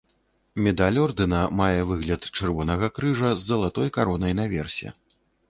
Медаль ордэна мае выгляд чырвонага крыжа з залатой каронай наверсе.